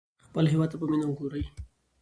خپل هېواد ته په مینه وګورئ.